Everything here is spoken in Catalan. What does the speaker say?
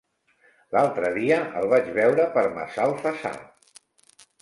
L'altre dia el vaig veure per Massalfassar.